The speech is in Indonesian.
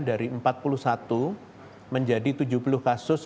dari empat puluh satu menjadi tujuh puluh kasus